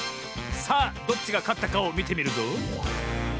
さあどっちがかったかをみてみるぞ。